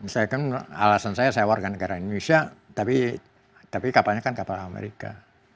saya kan alasan saya saya warga negara indonesia tapi kapalnya kan kapal amerika